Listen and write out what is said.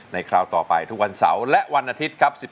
คราวต่อไปทุกวันเสาร์และวันอาทิตย์ครับ